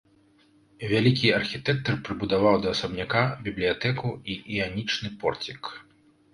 Вялікі архітэктар прыбудаваў да асабняка бібліятэку і іанічны порцік.